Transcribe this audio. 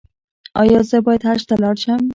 ایا زه باید حج ته لاړ شم؟